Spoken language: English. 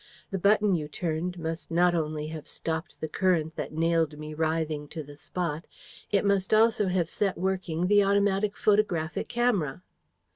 The button you turned must not only have stopped the current that nailed me writhing to the spot: it must also have set working the automatic photographic camera!